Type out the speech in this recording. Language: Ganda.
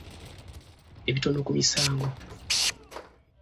Ebitono ku misango.